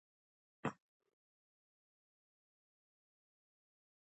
مشهوره وینا ده: لېوني سره یې چې وایې لکه مېخ په تیګه بیایې.